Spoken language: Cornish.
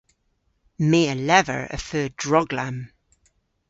My a lever y feu droglamm.